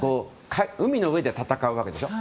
海の上で戦うわけでしょ。